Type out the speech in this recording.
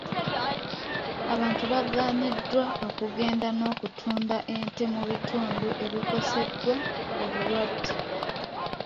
Abantu bagaaniddwa okugenda n'okutunda ente mu bitundu ebikoseddwa obulwadde.